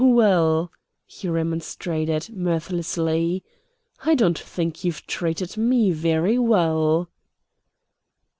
"Well," he remonstrated, mirthlessly, "I don't think you've treated ME very well."